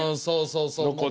そうそうそう。